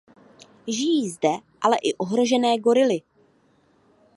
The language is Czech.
Žijí zde ale i ohrožené gorily.